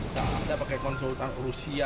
tidak ada pakai konsultan rusia